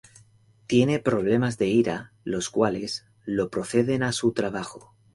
Tiene problemas de ira los cuales lo preceden a su trabajo.